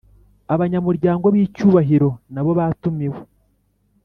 abanyamuryango b icyubahiro nabo batumiwe